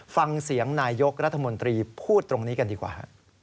ฟังเสียงนายยกรัฐมนตรีพูดตรงนี้กันดีกว่า